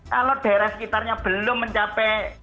kalau daerah sekitarnya belum mencapai